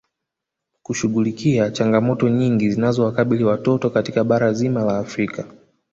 Kushughulikia changamoto nyingi zinazowakabili watoto katika bara zima la Afrika